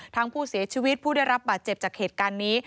ทั้งผู้เสียชีวิตผู้ได้รับบาดเจ็บจากเหตุการณ์นี้